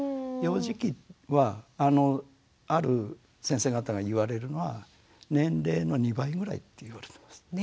幼児期はある先生方が言われるのは年齢の２倍ぐらいっていわれてます。